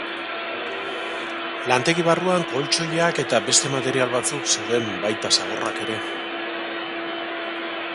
Lantegi barruan koltxoiak eta beste material batzuk zeuden, baita zaborrak ere.